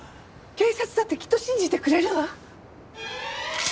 警察だってきっと信じてくれるわ！